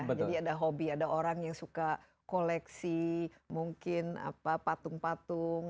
jadi ada hobi ada orang yang suka koleksi mungkin apa patung patung